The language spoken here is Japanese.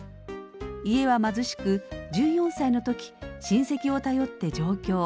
家は貧しく１４歳の時親戚を頼って上京。